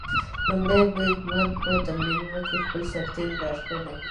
لومړی بریدمن په تمرینونو کې د خپلو سرتېرو لارښوونه کوي.